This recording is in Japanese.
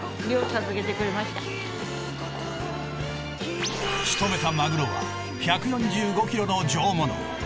しとめたマグロは１４５ｋｇの上物。